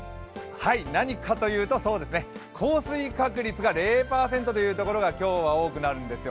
何かというと、降水確率が降水確率が０％というところが今日は多くなるんですよ。